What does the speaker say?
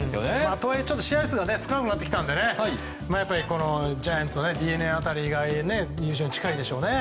とはいえ、試合数が少なくなってきたのでやっぱり、ジャイアンツとＤｅＮＡ辺りが優勝に近いでしょう。